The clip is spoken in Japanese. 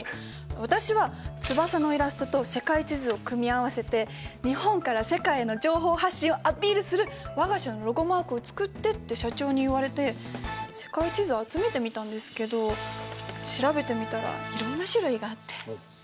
私は翼のイラストと世界地図を組み合わせて日本から世界への情報発信をアピールする我が社のロゴマークを作ってって社長に言われて世界地図を集めてみたんですけど調べてみたらいろんな種類があって。